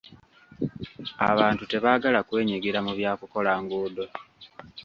Abantu tebaagala kwenyigira mu bya kukola nguudo.